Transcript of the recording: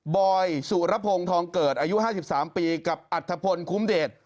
บอยสุรพงศ์ทองเกิดอายุ๕๓ปีกับอัฐพลคุ้มเดช